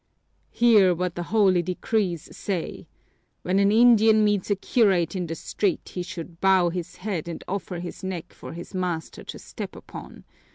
"Hear what the holy decrees say! When an Indian meets a curate in the street he should bow his head and offer his neck for his master to step upon.